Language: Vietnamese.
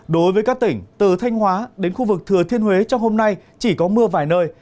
đối với các tỉnh từ thanh hóa đến khu vực thừa thiên huế trong hôm nay chỉ có mưa vài nơi